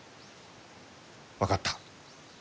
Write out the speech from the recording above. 分かった。